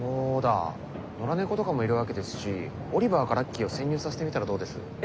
野良猫とかもいるわけですしオリバーかラッキーを潜入させてみたらどうです？え？